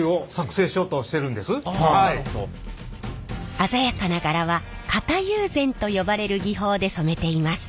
鮮やかな柄は型友禅と呼ばれる技法で染めています。